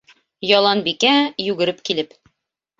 Яланбикә, йүгереп килеп: